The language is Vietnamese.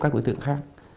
các đối tượng khác